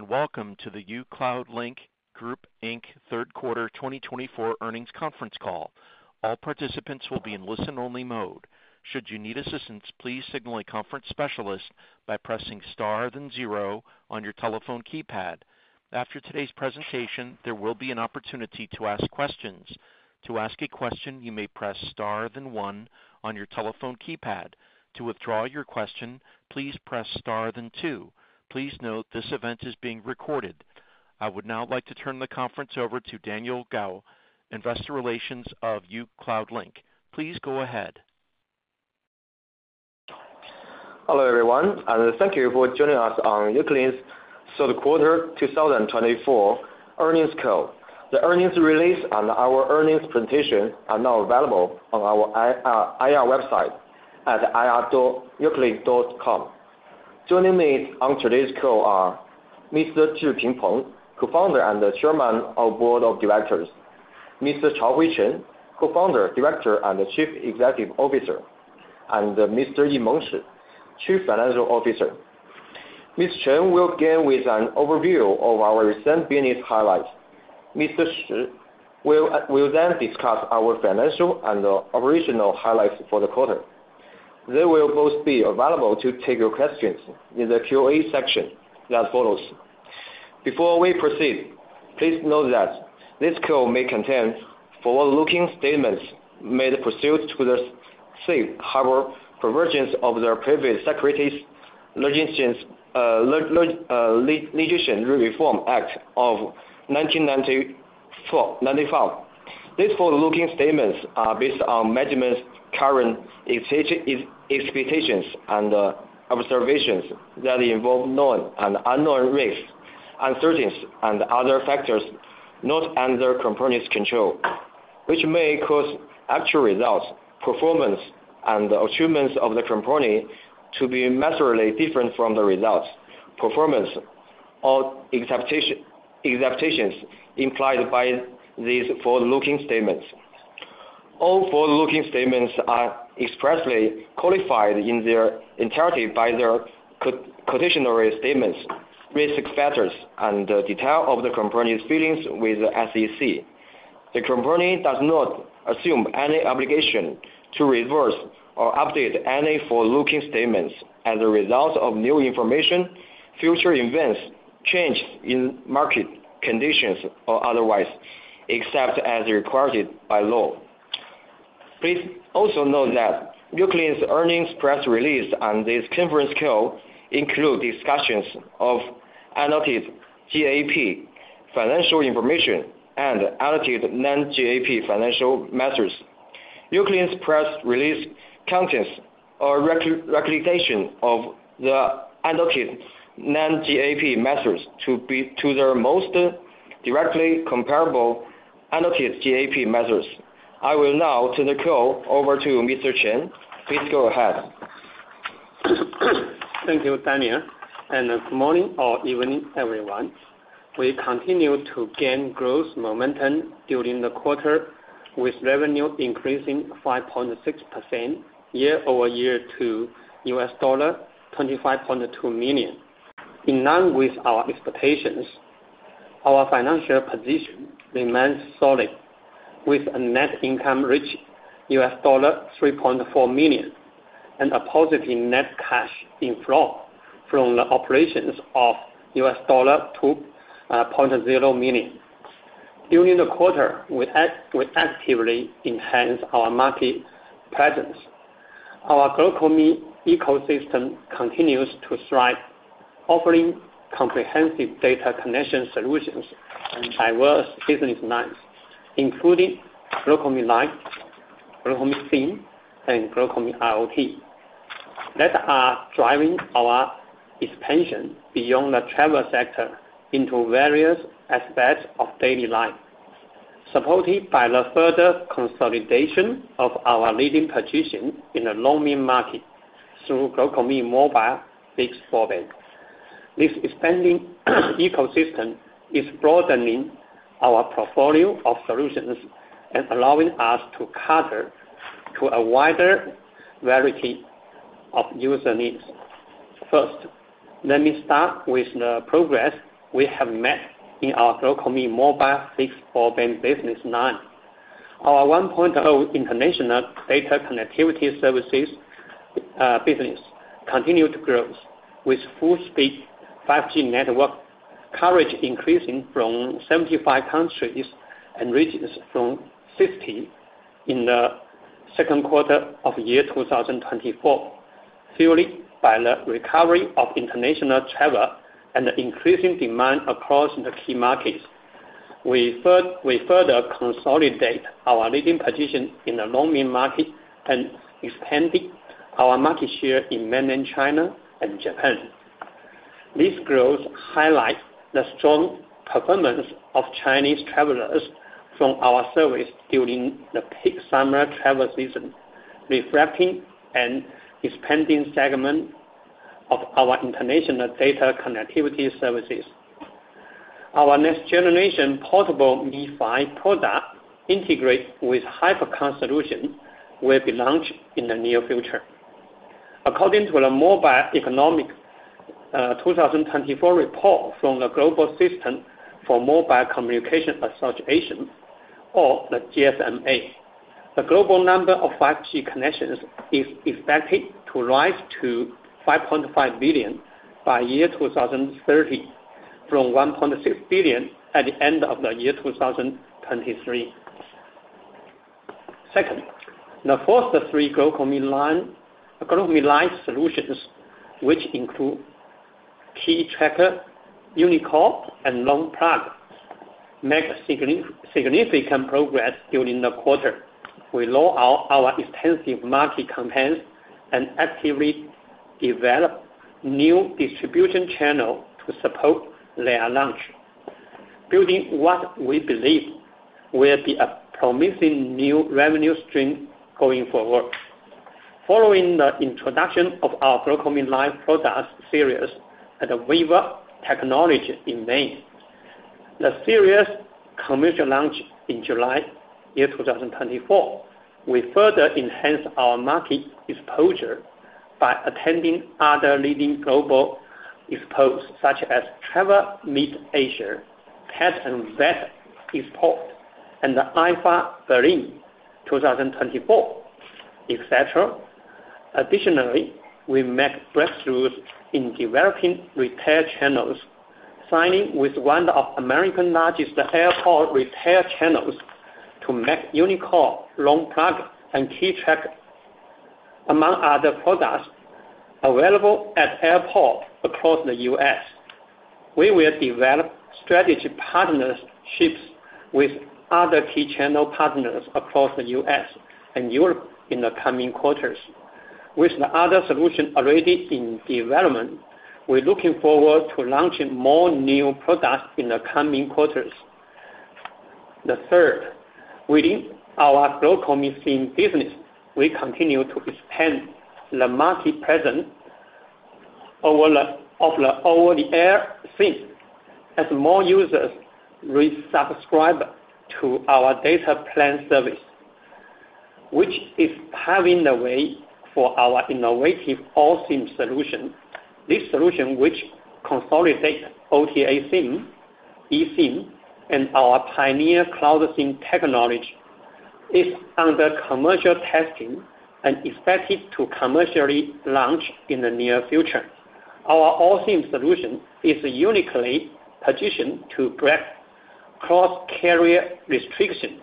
Hello and welcome to the uCloudlink Group Inc. Third Quarter 2024 earnings conference call. All participants will be in listen-only mode. Should you need assistance, please signal a conference specialist by pressing star then zero on your telephone keypad. After today's presentation, there will be an opportunity to ask questions. To ask a question, you may press star then one on your telephone keypad. To withdraw your question, please press star then two. Please note this event is being recorded. I would now like to turn the conference over to Daniel Gao, Investor Relations of uCloudlink. Please go ahead. Hello everyone, and thank you for joining us on uCloudlink's Third Quarter 2024 earnings call. The earnings release and our earnings presentation are now available on our IR website at ir.ucloudlink.com. Joining me on today's call are Mr. Zhiping Peng, Co-founder and Chairman of the Board of Directors. Mr. Chaohui Chen, Co-founder, Director, and Chief Executive Officer. And Mr. Yimeng Shi, Chief Financial Officer. Mr. Chen will begin with an overview of our recent business highlights. Mr. Shi will then discuss our financial and operational highlights for the quarter. They will both be available to take your questions in the Q&A section that follows. Before we proceed, please note that this call may contain forward-looking statements made pursuant to the safe harbor provisions of the Private Securities Litigation Reform Act of 1995. These forward-looking statements are based on management's current expectations and observations that involve known and unknown risks, uncertainties, and other factors not under the company's control, which may cause actual results, performance, and achievements of the company to be materially different from the results, performance, or expectations implied by these forward-looking statements. All forward-looking statements are expressly qualified in their entirety by their conditional statements, risk factors, and details of the company's filings with the SEC. The company does not assume any obligation to revise or update any forward-looking statements as a result of new information, future events, changes in market conditions, or otherwise, except as required by law. Please also note that uCloudlink's earnings press release and this conference call include discussions of non-GAAP financial information and non-GAAP financial metrics. uCloudlink's press release contains a reconciliation of the non-GAAP metrics to their most directly comparable GAAP metrics. I will now turn the call over to Mr. Chen. Please go ahead. Thank you, Daniel. And good morning or evening, everyone. We continue to gain growth momentum during the quarter, with revenue increasing 5.6% year-over-year to $25.2 million. In line with our expectations, our financial position remains solid, with a net income reaching $3.4 million and a positive net cash inflow from the operations of $2.0 million. During the quarter, we actively enhanced our market presence. Our global ecosystem continues to thrive, offering comprehensive data connection solutions and diverse business lines, including GlocalMe Life, GlocalMe SIM, and GlocalMe IoT, that are driving our expansion beyond the travel sector into various aspects of daily life, supported by the further consolidation of our leading position in the low-end market through GlocalMe mobile fixed broadband. This expanding ecosystem is broadening our portfolio of solutions and allowing us to cater to a wider variety of user needs. First, let me start with the progress we have made in our global GlocalMe mobile fixed broadband business line. Our 1.0 international data connectivity services business continued growth, with full-speed 5G network coverage increasing from 60 to 75 countries in the second quarter of the year 2024, fueled by the recovery of international travel and the increasing demand across the key markets. We further consolidate our leading position in the low-mid market and expanded our market share in mainland China and Japan. This growth highlights the strong performance of our service from Chinese travelers during the peak summer travel season, reflecting an expanding segment of our international data connectivity services. Our next-generation portable MiFi product integrates with HyperConn solutions, which will be launched in the near future. According to the Mobile Economy 2024 report from the Global System for Mobile Communications Association, or the GSMA, the global number of 5G connections is expected to rise to 5.5 billion by the year 2030, from 1.6 billion at the end of the year 2023. Second, the first three GlocalMe Life solutions, which include KeyTracker, UniCord, and RoamPlug, made significant progress during the quarter. We rolled out our extensive marketing campaigns and actively developed new distribution channels to support their launch, building what we believe will be a promising new revenue stream going forward. Following the introduction of our GlocalMe Life product series at the Viva Technology in Paris, the series successfully launched in July 2024. We further enhanced our market exposure by attending other leading global expos such as Travel Tech Asia, CES and ITB Expo, and the IFA Berlin 2024, etc. Additionally, we made breakthroughs in developing retail channels, signing with one of America's largest airport retail channels to make UniCord, RoamPlug, and KeyTracker, among other products, available at airports across the U.S. We will develop strategic partnerships with other key channel partners across the U.S. and Europe in the coming quarters. With the other solutions already in development, we're looking forward to launching more new products in the coming quarters. The third, within our global midstream business, we continue to expand the market presence of the over-the-air SIM as more users resubscribe to our data plan service, which is paving the way for our innovative All-SIM solution. This solution, which consolidates OTA SIM, eSIM, and our pioneering CloudSIM technology, is under commercial testing and expected to commercially launch in the near future. Our All-SIM solution is uniquely positioned to break cross-carrier restrictions,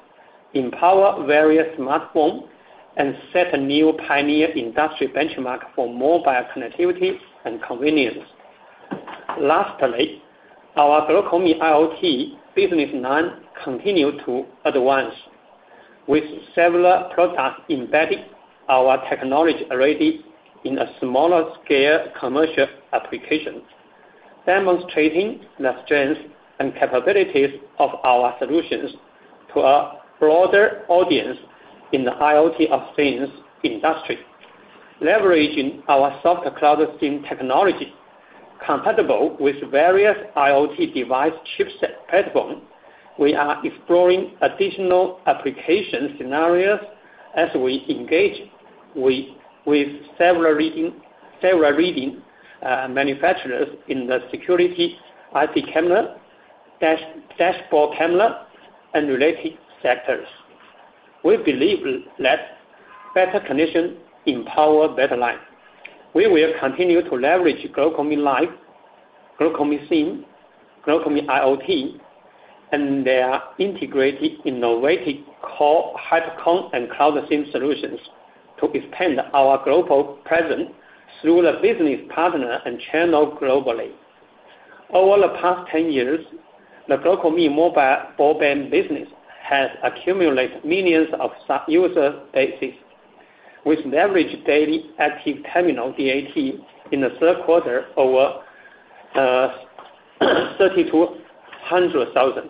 empower various smartphones, and set a new pioneer industry benchmark for mobile connectivity and convenience. Lastly, our GlocalMe IoT business line continues to advance, with several products embedding our technology already in a smaller-scale commercial application, demonstrating the strength and capabilities of our solutions to a broader audience in the Internet of Things industry. Leveraging our Soft CloudSIM technology compatible with various IoT device chipset platforms, we are exploring additional application scenarios as we engage with several leading manufacturers in the security IP camera, dashboard camera, and related sectors. We believe that better connection empowers better life. We will continue to leverage GlocalMe Life, GlocalMe SIM, GlocalMe IoT, and their integrated innovative core HyperConn and CloudSIM solutions to expand our global presence through the business partner and channel globally. Over the past 10 years, the GlocalMe mobile broadband business has accumulated millions of user bases, with average Daily Active Terminal (DAT) in the third quarter over 3,200,000.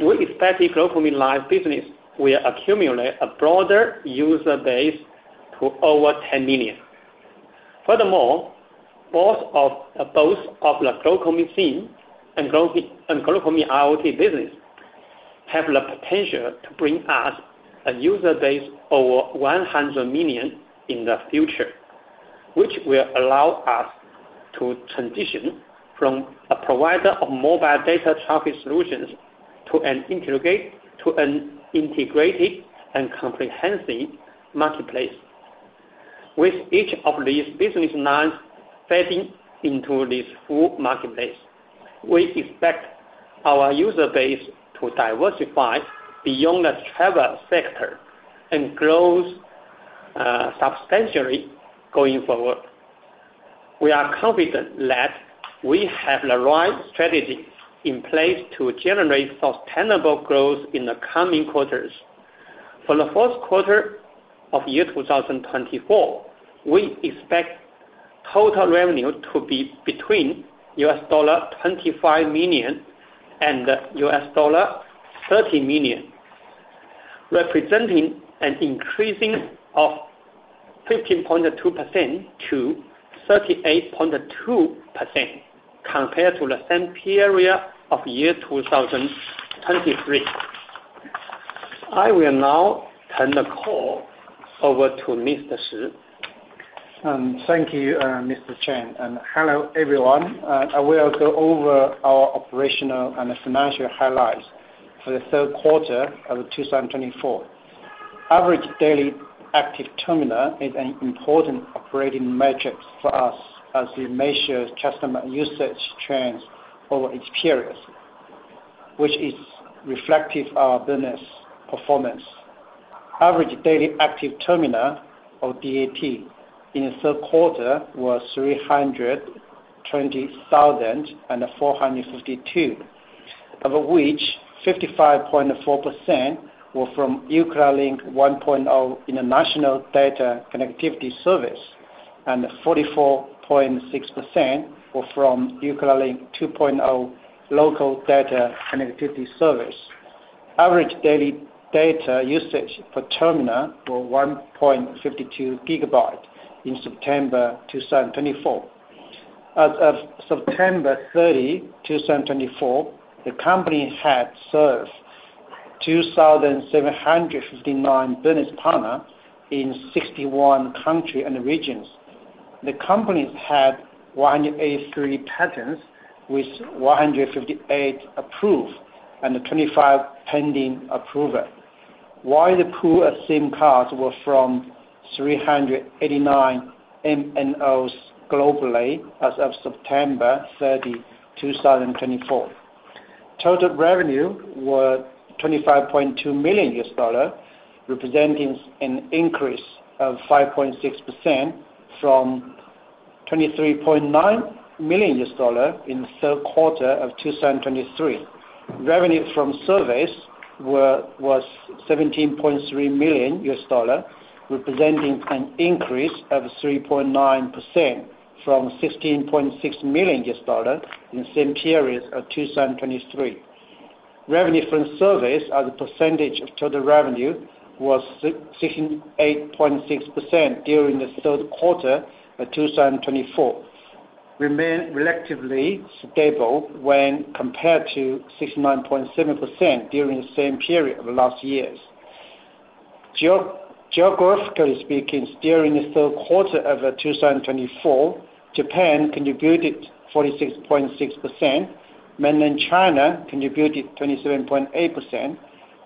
We expect the GlocalMe Life business will accumulate a broader user base to over 10 million. Furthermore, both of the GlocalMe SIM and GlocalMe IoT business have the potential to bring us a user base over 100 million in the future, which will allow us to transition from a provider of mobile data traffic solutions to an integrated and comprehensive marketplace. With each of these business lines fitting into this full marketplace, we expect our user base to diversify beyond the travel sector and grow substantially going forward. We are confident that we have the right strategy in place to generate sustainable growth in the coming quarters. For the fourth quarter of year 2024, we expect total revenue to be between $25 million and $30 million, representing an increase of 15.2%-38.2% compared to the same period of year 2023. I will now turn the call over to Mr. Shi. Thank you, Mr. Chen. And hello, everyone. I will go over our operational and financial highlights for the third quarter of 2024. Average daily active terminal is an important operating metric for us as we measure customer usage trends over each period, which is reflective of our business performance. Average daily active terminal, or DAT, in the third quarter was 320,452, of which 55.4% were from uCloudlink 1.0 international data connectivity service, and 44.6% were from uCloudlink 2.0 local data connectivity service. Average daily data usage per terminal was 1.52 gigabytes in September 2024. As of September 30, 2024, the company had served 2,759 business partners in 61 countries and regions. The company had 183 patents with 158 approved and 25 pending approval. Wide pool of SIM cards were from 389 MNOs globally as of September 30, 2024. Total revenue was $25.2 million, representing an increase of 5.6% from $23.9 million in the third quarter of 2023. Revenue from service was $17.3 million, representing an increase of 3.9% from $16.6 million in the same period of 2023. Revenue from service as a percentage of total revenue was 68.6% during the third quarter of 2024, remained relatively stable when compared to 69.7% during the same period of last year. Geographically speaking, during the third quarter of 2024, Japan contributed 46.6%, Mainland China contributed 27.8%,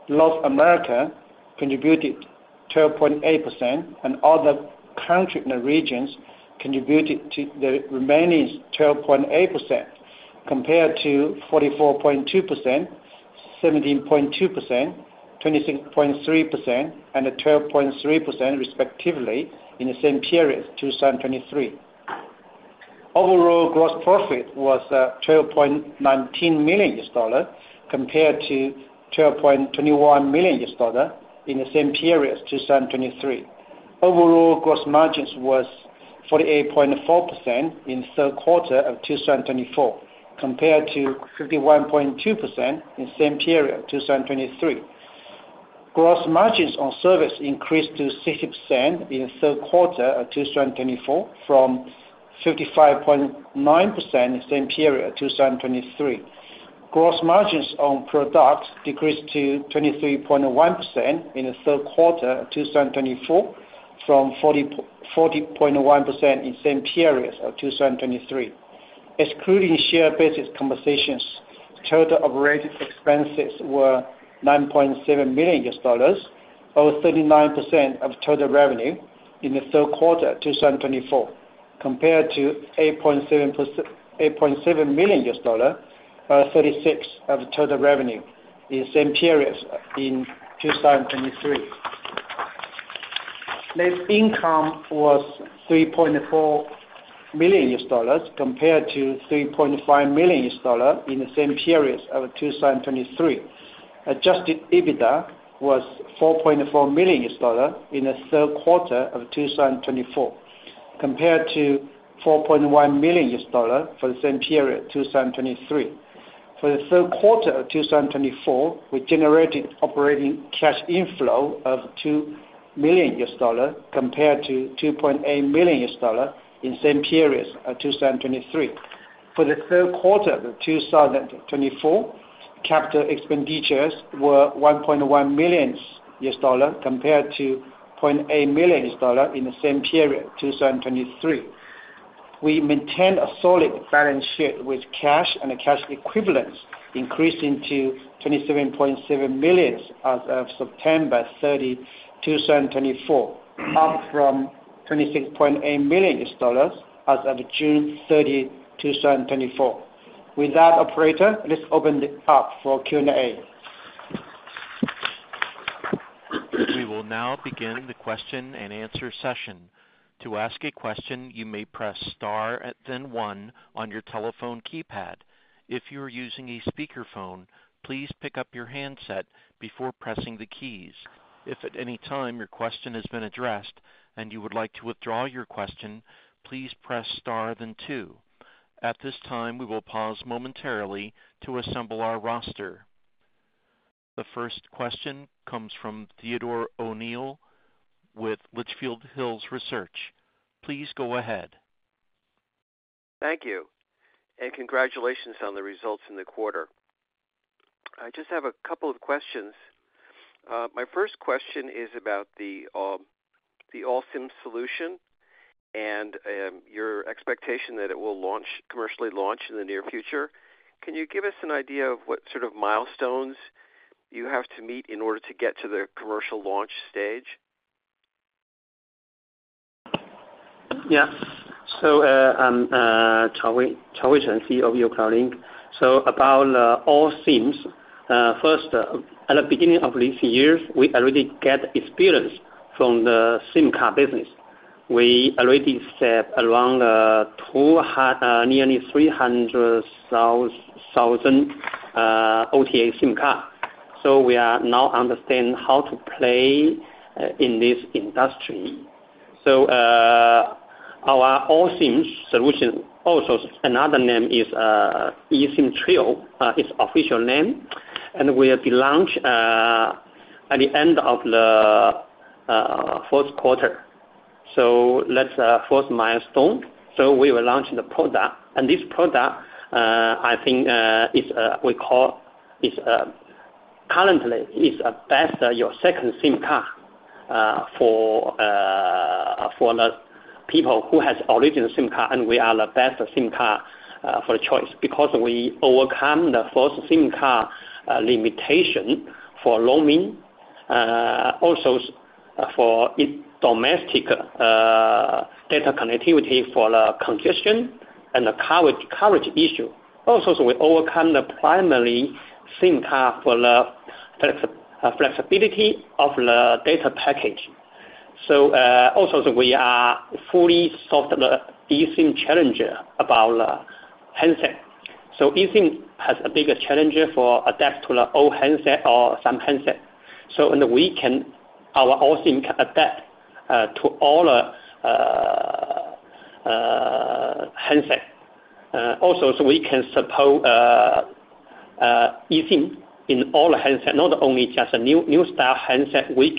North America contributed 12.8%, and other countries and regions contributed to the remaining 12.8%, compared to 44.2%, 17.2%, 26.3%, and 12.3% respectively in the same period of 2023. Overall gross profit was $12.19 million compared to $12.21 million in the same period of 2023. Overall gross margins were 48.4% in the third quarter of 2024, compared to 51.2% in the same period of 2023. Gross margins on service increased to 60% in the third quarter of 2024 from 55.9% in the same period of 2023. Gross margins on products decreased to 23.1% in the third quarter of 2024 from 40.1% in the same period of 2023. Excluding share-based compensation, total operating expenses were $9.7 million, or 39% of total revenue in the third quarter of 2024, compared to $8.7 million, or 36% of total revenue in the same period in 2023. Net income was $3.4 million compared to $3.5 million in the same period of 2023. Adjusted EBITDA was $4.4 million in the third quarter of 2024, compared to $4.1 million for the same period of 2023. For the third quarter of 2024, we generated operating cash inflow of $2 million compared to $2.8 million in the same period of 2023. For the third quarter of 2024, capital expenditures were $1.1 million compared to $0.8 million in the same period of 2023. We maintained a solid balance sheet with cash and cash equivalents increasing to $27.7 million as of September 30, 2024, up from $26.8 million as of June 30, 2024. With that, operator, let's open it up for Q&A. We will now begin the question and answer session. To ask a question, you may press star and then one on your telephone keypad. If you are using a speakerphone, please pick up your handset before pressing the keys. If at any time your question has been addressed and you would like to withdraw your question, please press star and then two. At this time, we will pause momentarily to assemble our roster. The first question comes from Theodore O'Neill with Litchfield Hills Research. Please go ahead. Thank you. And congratulations on the results in the quarter. I just have a couple of questions. My first question is about the All-SIM solution and your expectation that it will commercially launch in the near future. Can you give us an idea of what sort of milestones you have to meet in order to get to the commercial launch stage? Yes. So I'm Chaohui Chen, CEO of uCloudlink. So about All-SIMs, first, at the beginning of this year, we already get experience from the SIM card business. We already set around nearly 300,000 OTA SIM cards. So we now understand how to play in this industry. So our All-SIM solution, also another name is eSIM Trio, is the official name. And we will be launched at the end of the fourth quarter. So that's the fourth milestone. So we will launch the product. And this product, I think, we call currently is a best second SIM card for people who have an original SIM card, and we are the best SIM card for choice because we overcome the first SIM card limitation for roaming, also for domestic data connectivity for congestion and the coverage issue. Also, we overcome the primary SIM card for the flexibility of the data package. So, also, we are fully software eSIM challenge about handset. So, eSIM has a bigger challenge for adapt to the old handset or some handset. So, we can, our All-SIM can adapt to all handset. Also, we can support eSIM in all handset, not only just new style handset, which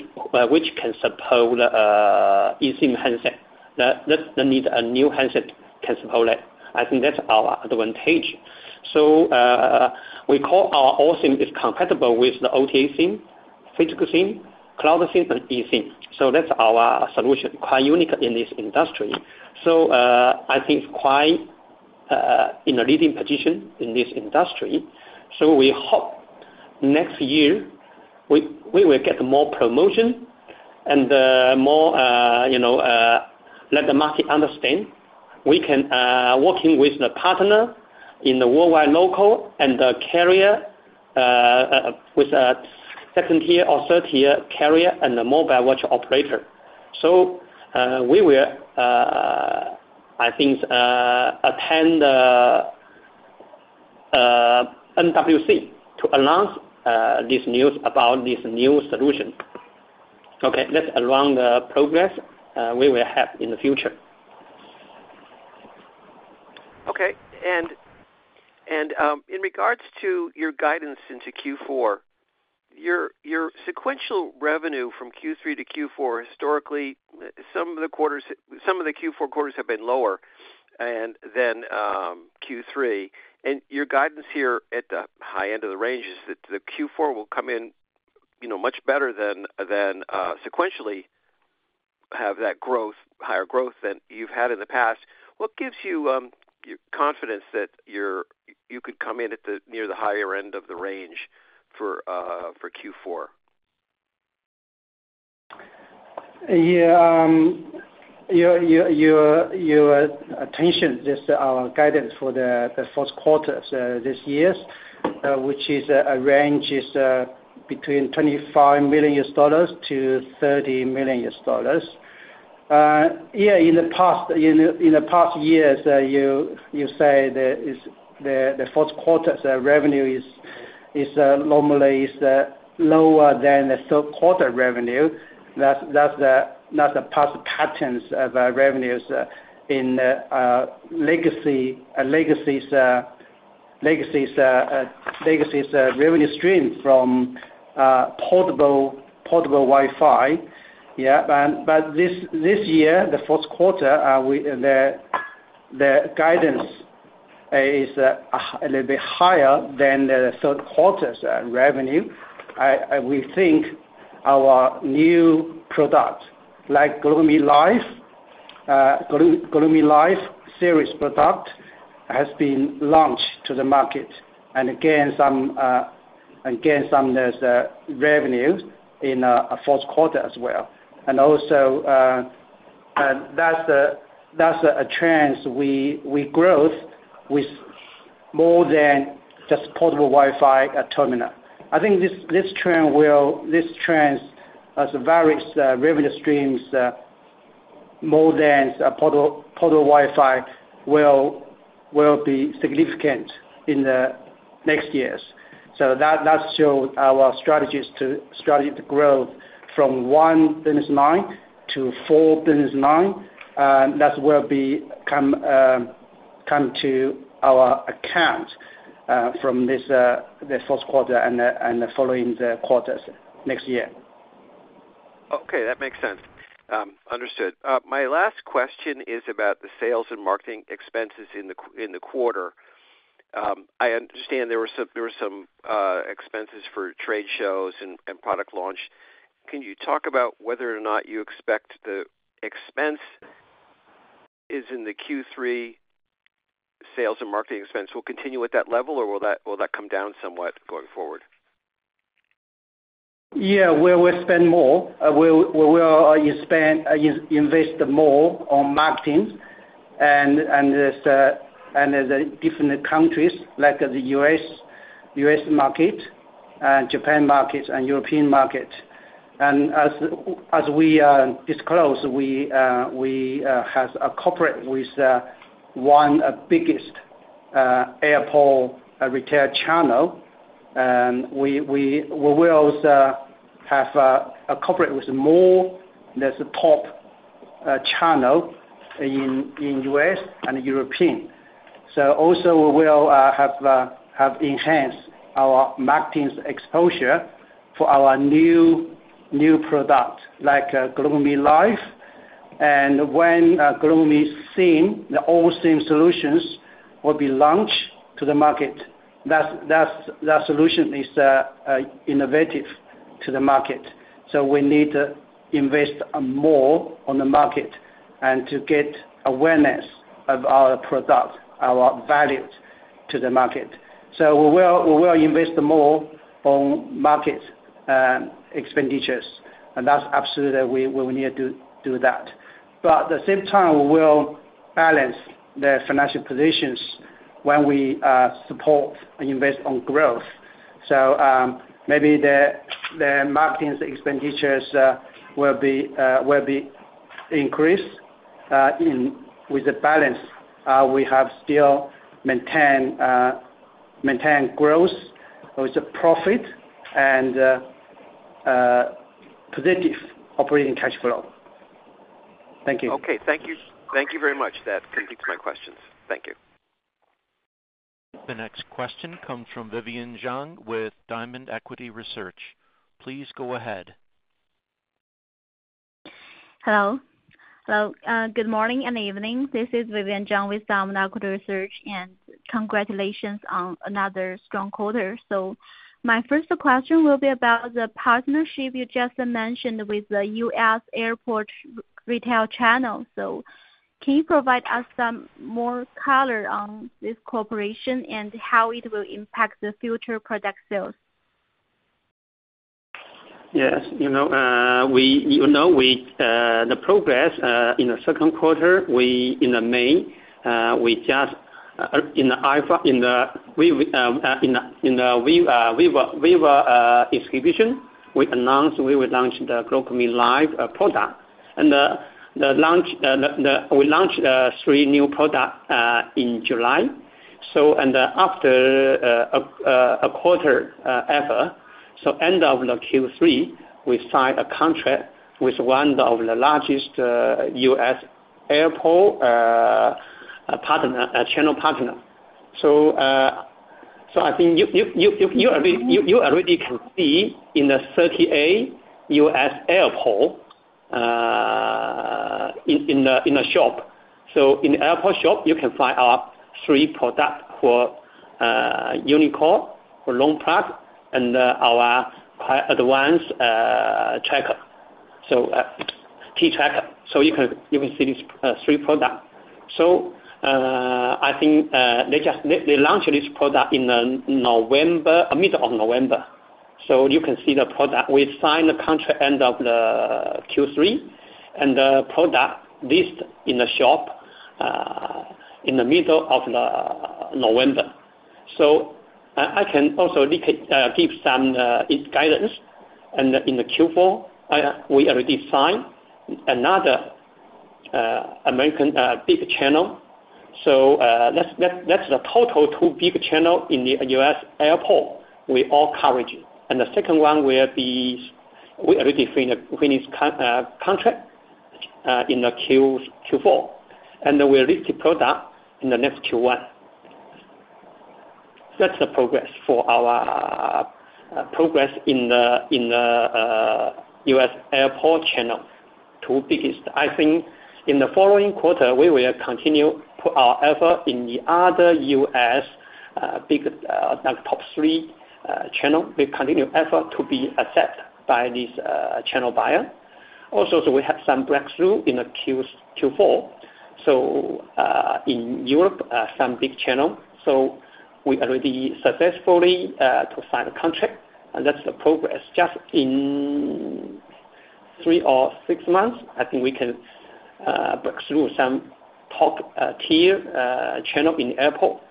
can support eSIM handset. That needs a new handset can support it. I think that's our advantage. So, we call our All-SIM is compatible with the OTA SIM, physical SIM, CloudSIM, and eSIM. So, that's our solution, quite unique in this industry. So, I think it's quite in a leading position in this industry. So, we hope next year we will get more promotion and more let the market understand. We can work with the partner in the worldwide local and the carrier with a second-tier or third-tier carrier and the mobile network operator. So we will, I think, attend the MWC to announce this news about this new solution. Okay. That's around the progress we will have in the future. Okay. And in regards to your guidance into Q4, your sequential revenue from Q3 to Q4 historically, some of the Q4 quarters have been lower than Q3. And your guidance here at the high end of the range is that the Q4 will come in much better than sequentially have that growth, higher growth than you've had in the past. What gives you confidence that you could come in near the higher end of the range for Q4? Yeah. Your attention, just our guidance for the fourth quarter of this year, which is a range between $25 million-$30 million. Yeah, in the past years, you say that the fourth quarter's revenue is normally lower than the third quarter revenue. That's the past patterns of revenues in legacy revenue stream from portable Wi-Fi. Yeah. But this year, the fourth quarter, the guidance is a little bit higher than the third quarter's revenue. We think our new product like GlocalMe Life series product has been launched to the market and gained some revenue in the fourth quarter as well. And also, that's a trend we growth with more than just portable Wi-Fi terminal. I think this trend will, this trend has various revenue streams more than portable Wi-Fi will be significant in the next years. So that shows our strategy to grow from $1 billion-$4 billion. That will come to our account from the fourth quarter and the following quarters next year. Okay. That makes sense. Understood. My last question is about the sales and marketing expenses in the quarter. I understand there were some expenses for trade shows and product launch. Can you talk about whether or not you expect the expense is in the Q3 sales and marketing expense? Will it continue at that level, or will that come down somewhat going forward? Yeah. We will spend more. We will invest more on marketing and the different countries like the U.S. market, Japan market, and European market. And as we disclose, we have a partnership with one of the biggest airport retail channels. And we will also have a partnership with more than the top channel in the U.S. and Europe. So also, we will have enhanced our marketing exposure for our new product like GlocalMe Life. And when GlocalMe SIM, the All-SIM solutions will be launched to the market, that solution is innovative to the market. So we need to invest more on the market and to get awareness of our product, our values to the market. So we will invest more on marketing expenditures. And that's absolutely what we need to do that. But at the same time, we will balance the financial positions when we support and invest on growth. So maybe the marketing expenditures will be increased with the balance. We have still maintained growth with profit and positive operating cash flow. Thank you. Okay. Thank you very much. That completes my questions. Thank you. The next question comes from Vivian Zhang with Diamond Equity Research. Please go ahead. Hello. Hello. Good morning and evening. This is Vivian Zhang with Diamond Equity Research, and congratulations on another strong quarter. So my first question will be about the partnership you just mentioned with the U.S. airport retail channel. So can you provide us some more color on this corporation and how it will impact the future product sales? Yes. You know the progress in the second quarter. In May, we just in the IFA exhibition, we announced we will launch the GlocalMe Life product. And we launched three new products in July. So after a quarter effort, so end of the Q3, we signed a contract with one of the largest U.S. airport channel partners. So I think you already can see in the 300 U.S. airports in the shop. So in the airport shop, you can find our three products for UniCord, for RoamPlug, and our quite advanced tracker, so KeyTracker. So you can see these three products. So I think they launched this product in mid-November. So you can see the product. We signed the contract end of the Q3, and the product listed in the shop in the middle of November. So I can also give some guidance. And in the Q4, we already signed another American big channel. So that's the total two big channels in the U.S. airport we all coverage. And the second one will be we already finished contract in the Q4. And we released the product in the next Q1. That's the progress for our progress in the U.S. airport channel, two biggest. I think in the following quarter, we will continue to put our effort in the other U.S. big top three channel. We continue effort to be accepted by these channel buyers. Also, we have some breakthrough in the Q4. So in Europe, some big channel. So we already successfully signed a contract. And that's the progress. Just in three or six months, I think we can break through some top-tier channel in the airport.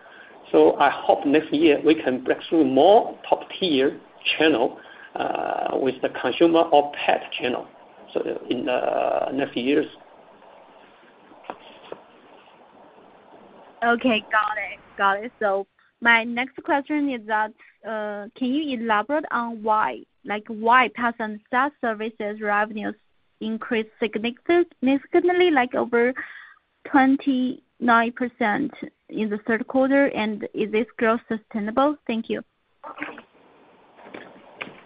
I hope next year we can break through more top-tier channel with the consumer or pet channel in the next years. Okay. Got it. Got it. So my next question is that can you elaborate on why? Why has SaaS services revenues increased significantly, like over 29% in the third quarter? And is this growth sustainable? Thank you.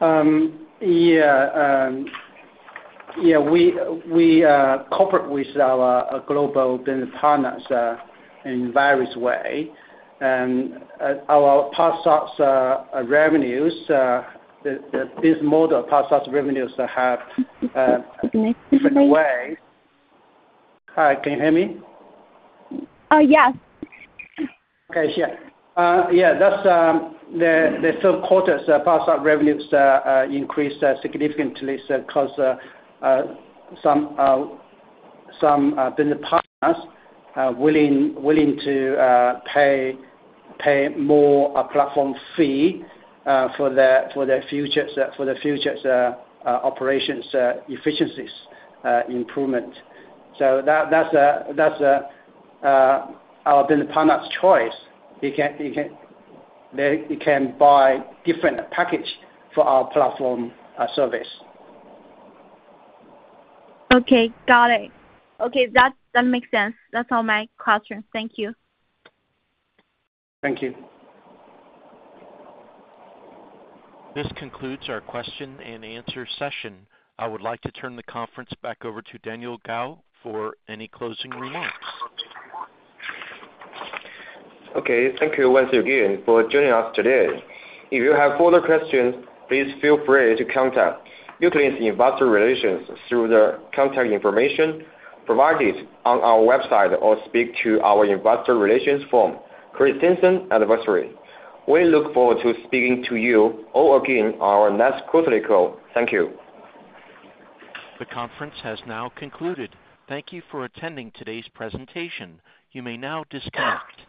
Yeah. Yeah. We cooperate with our global business partners in various ways. And our SaaS revenues, this model of SaaS revenues have different ways. Hi, can you hear me? Oh, yes. That's the third quarter's SaaS revenues increased significantly because some business partners are willing to pay more platform fee for the future operations efficiencies improvement. So that's our business partner's choice. They can buy different package for our platform service. Okay. Got it. Okay. That makes sense. That's all my questions. Thank you. Thank you. This concludes our question and answer session. I would like to turn the conference back over to Daniel Gao for any closing remarks. Okay. Thank you once again for joining us today. If you have further questions, please feel free to contact uCloudlink's investor relations through the contact information provided on our website or speak to our investor relations firm, Christensen Advisory. We look forward to speaking to you all again on our next quarterly call. Thank you. The conference has now concluded. Thank you for attending today's presentation. You may now disconnect.